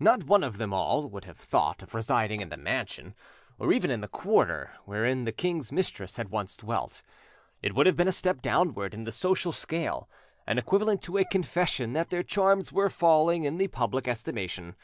Not one of them all would have thought of residing in the mansion, or even in the quarter, wherein the king's mistress had once dwelt. It would have been a step downward in the social scale, and equivalent to a confession that their charms were falling in the public estimation.